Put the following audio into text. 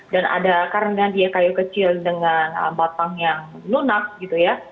dan ada karena dia kayu kecil dengan batang yang lunak gitu ya